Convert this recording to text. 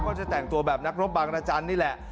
ก็จะแต่งตัวแบบนักรบบางรจันทร์นี่แหละ